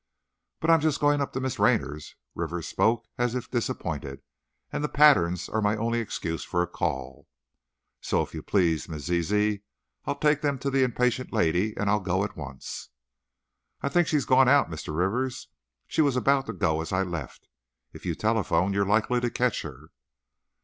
"But I'm just going up to Miss Raynor's," Rivers spoke as if disappointed, "and the patterns are my only excuse for a call! So, if you please, Miss Zizi, I'll take them to the impatient lady, and I'll go at once." "I think she's gone out, Mr. Rivers, she was about to go as I left. If you telephone you'll likely catch her."